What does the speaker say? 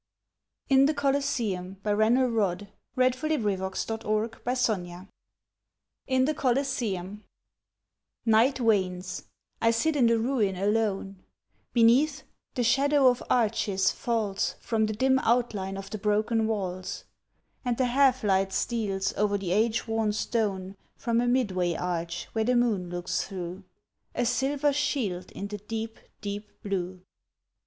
the earth's for evermore; fly home! And lay a daisy at the feet of God. IN THE COLISEUM Night wanes; I sit in the ruin alone; Beneath, the shadow of arches falls From the dim outline of the broken walls; And the half light steals o'er the age worn stone From a midway arch where the moon looks through, A silver shield in the deep, deep blue.